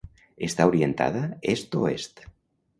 Està orientada est-oest.